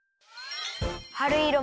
はるいろ